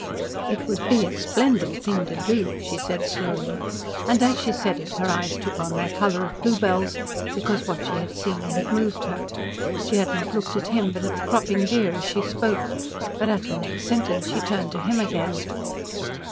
"It would be a splendid thing to do," she said slowly, and as she said it her eyes took on their colour of bluebells, because what she had seen had moved her. She had not looked at him, but at the cropping deer as she spoke, but at her next sentence she turned to him again.